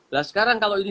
dan sekarang kalau ini